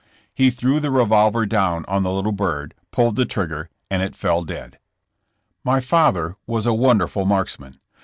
'* He threw the revolver down on the little bird, pulled the trigger and it fell dead. My father was a wonderful marksman.